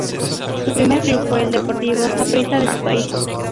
Su primer club fue el Deportivo Saprissa de su país.